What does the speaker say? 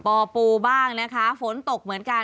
อปูบ้างนะคะฝนตกเหมือนกัน